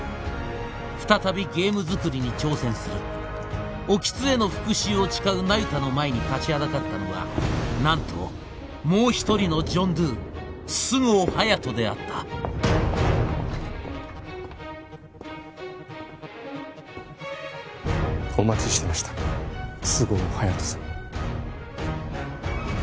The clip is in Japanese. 再びゲーム作りに挑戦する興津への復讐を誓う那由他の前に立ちはだかったのは何ともう一人のジョン・ドゥ菅生隼人であったお待ちしてました菅生隼人さん